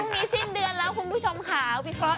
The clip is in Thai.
ทุ่นสิ้นเดือนแล้วสองนี้คุณผู้ชมขาว